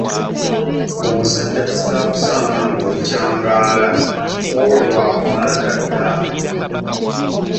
Omusajja kasita akusanga ng'oli kyangaala ku olwo lw'akumala tadda.